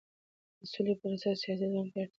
د سولې پروسه سیاسي زغم ته اړتیا لري